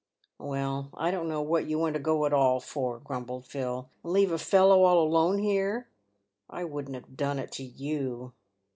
" "Well, I don't know what you want to go at all for," grumbled Phil, " and leave a fellow all alone here. I wouldn't have done it to you."